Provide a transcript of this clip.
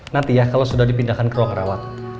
nanti ya kalau sudah dipindahkan ke ruang rawat